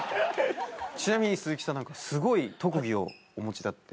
ちなみに鈴木さん何かすごい特技をお持ちだって。